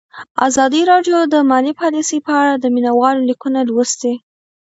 ازادي راډیو د مالي پالیسي په اړه د مینه والو لیکونه لوستي.